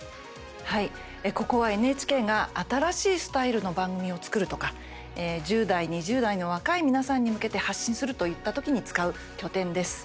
はい、ここはＮＨＫが新しいスタイルの番組を作るとか１０代、２０代の若い皆さん向けて発信するといったときに使う拠点です。